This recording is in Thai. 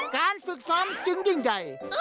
การฝึกซ้อมจึงจริงใจ